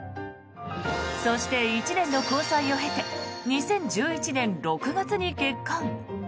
そして１年の交際を経て２０１１年６月に結婚。